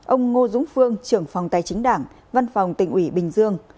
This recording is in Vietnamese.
ông ngo dũng phương trưởng phòng tài chính đảng văn phòng tỉnh uỷ bình dương